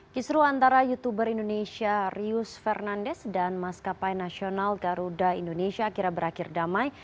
kisru antara youtuber indonesia rius fernandes dan maskapai nasional garuda indonesia kira berakhir damai